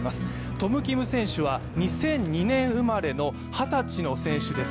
トム・キム選手は２００２年生まれの二十歳の選手です。